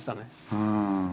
うん。